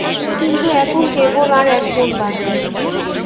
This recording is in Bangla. কিন্তু এখন কেবল আর একজন বাকি।